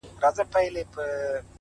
شراب ترخه ترخو ته دي’ و موږ ته خواږه’